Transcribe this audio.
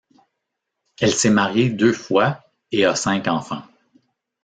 Elle s'est mariée deux fois et a cinq enfants.